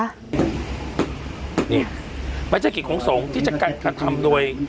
นี่ไม่ใช่กิจของสงฆ์ที่จะกระทำโดย